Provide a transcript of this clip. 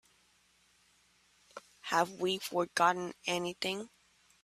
Have we forgotten anything?